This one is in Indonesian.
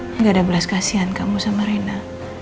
enggak ada belas kasihan kamu sama rena